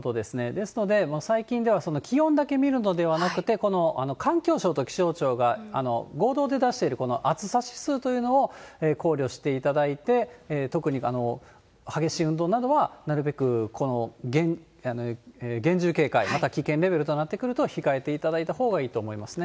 ですので、最近では気温だけ見るのではなくて、環境省と気象庁が合同で出している、この暑さ指数というのを考慮していただいて、特に激しい運動などは、なるべくこの厳重警戒、または危険レベルとなってくると、控えていただいたほうがいいと思いますね。